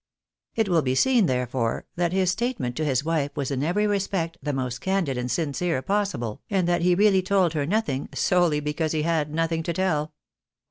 It will be seen, therefore, that his statement to his wife was in every respect the most candid and sincere possible, and that he really told her nothing, solely because he had nothing to tell.